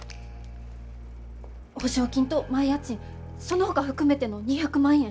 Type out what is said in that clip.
保証金と前家賃そのほか含めての２００万円。